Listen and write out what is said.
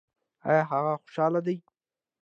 ایا هغه خوشحاله دی؟